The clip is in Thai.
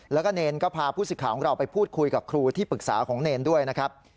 แล้วก็เนรก็พาผู้สิทธิ์ของเราไปพูดคุยกับครูที่ปรึกษาของเนรด้วยนะครับ